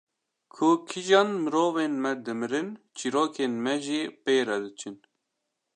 Ku kîjan mirovên me dimirin çîrokên me jî pê re diçin